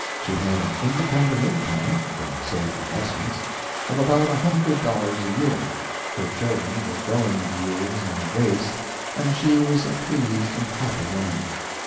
She had an independent income from safe investments of about a hundred dollars a year; her children were growing in years and grace; and she was a pleased and happy woman.